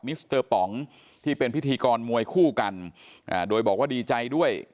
สเตอร์ป๋องที่เป็นพิธีกรมวยคู่กันโดยบอกว่าดีใจด้วย